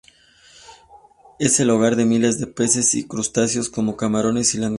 Es el hogar de miles de peces y crustáceos como camarones y langostas.